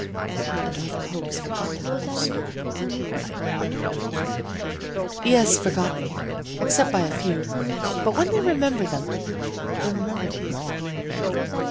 "And are the poems forgotten, also?" I inquired. "Yes, forgotten, except by a few. But when they remember them, they remember them long."